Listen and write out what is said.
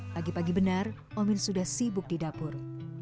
pagi pagi benar omin sudah sibuk di dapur